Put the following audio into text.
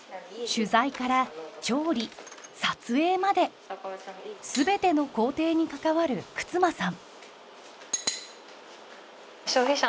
取材から調理撮影まで全ての工程に関わる久津間さん。